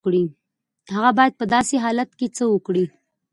هغه بايد په داسې حالت کې څه وکړي؟